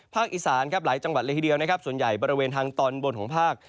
อีสานครับหลายจังหวัดเลยทีเดียวนะครับส่วนใหญ่บริเวณทางตอนบนของภาค